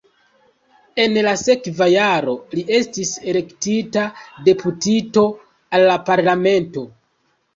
En la sekva jaro li estis elektita deputito al la parlamento.